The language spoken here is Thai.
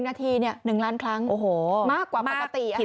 นาที๑ล้านครั้งมากกว่าปกติ